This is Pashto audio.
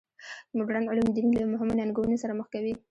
مډرن علوم دین له مهمو ننګونو سره مخ کوي.